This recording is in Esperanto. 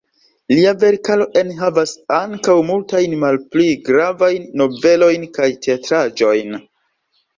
Lia verkaro enhavas ankaŭ multajn malpli gravajn novelojn kaj teatraĵojn.